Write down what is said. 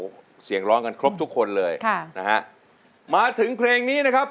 โอ้โหเสียงร้องกันครบทุกคนเลยค่ะนะฮะมาถึงเพลงนี้นะครับ